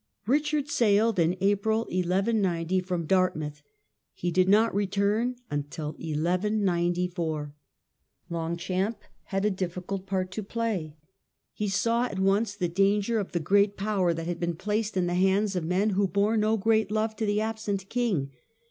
Richard sailed in April, 1190, from Dartmouth. He did not return till 1194. Longchamp had a difficult part to play. He saw at once the danger of the great power that had been placed in the hands of men who bore no great love to the absent king.